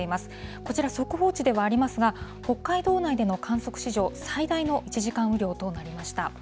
こちら、速報値ではありますが、北海道内での観測史上、最大の１時間雨量となりました。